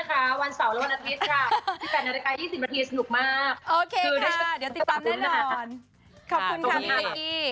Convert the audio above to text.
ขอบคุณค่ะพี่เป๊กกี้